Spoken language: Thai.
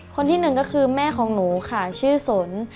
คนที่หนึ่งก็คือแม่ของหนูค่ะชื่อสน